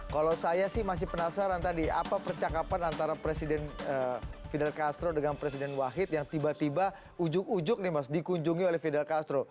kalau saya sih masih penasaran tadi apa percakapan antara presiden fidel castro dengan presiden wahid yang tiba tiba ujug ujug nih mas dikunjungi oleh fidel castro